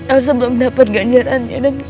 elsa belum dapet ganjarannya